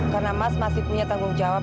karena mas masih punya tanggung jawab